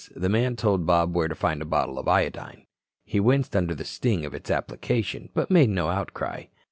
The man told Bob where to find a bottle of iodine. He winced under the sting of its application, but made no outcry.